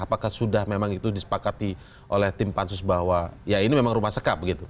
apakah sudah memang itu disepakati oleh tim pansus bahwa ya ini memang rumah sekap begitu